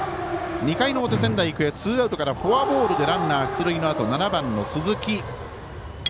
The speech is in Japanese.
２回の表、仙台育英ツーアウトからフォアボールでランナー出塁のあと７番、鈴木。